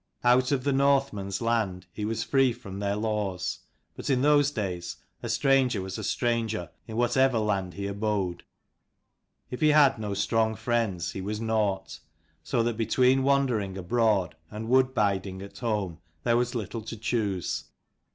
Out of the Northmen's land he was free from their laws. But in those days a stranger was a stranger, in whatever land he abode. If he had no strong friends he was nought. So that between wandering abroad and wood biding at home there was little to choose.